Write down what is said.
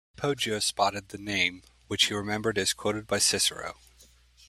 Poggio spotted the name, which he remembered as quoted by Cicero.